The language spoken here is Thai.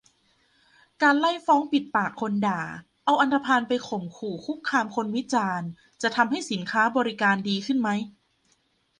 การไล่ฟ้องปิดปากคนด่า เอาอันธพาลไปข่มขู่คุกคามคนวิจารณ์ จะทำให้สินค้าบริการดีขึ้นไหม ?